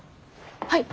はい。